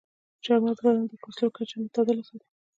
چارمغز د بدن د کلسترول کچه متعادله ساتي.